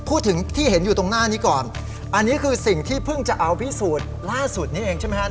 พูดถึงที่เห็นอยู่ตรงหน้านี้ก่อนอันนี้คือสิ่งที่เพิ่งจะเอาพิสูจน์ล่าสุดนี้เองใช่ไหมครับ